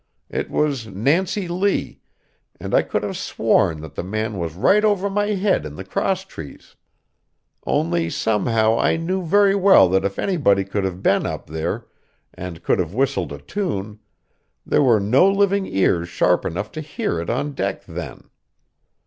It was "Nancy Lee," and I could have sworn that the man was right over my head in the crosstrees. Only somehow I knew very well that if anybody could have been up there, and could have whistled a tune, there were no living ears sharp enough to hear it on deck then.